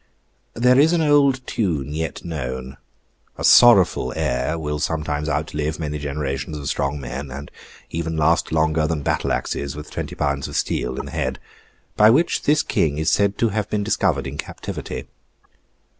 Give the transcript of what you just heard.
There is an old tune yet known—a sorrowful air will sometimes outlive many generations of strong men, and even last longer than battle axes with twenty pounds of steel in the head—by which this King is said to have been discovered in his captivity.